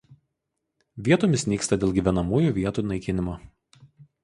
Vietomis nyksta dėl gyvenamųjų vietų naikinimo.